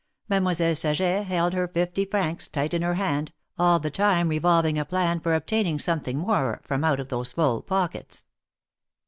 Mademoiselle Saget held her fifty francs tight in her hand, all the time revolving a plan for obtaining some thing more from out those full pockets.